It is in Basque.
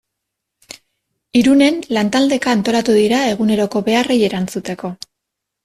Irunen lantaldeka antolatu dira eguneroko beharrei erantzuteko.